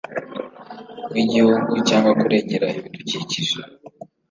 w igihugu cyangwa kurengera ibidukikije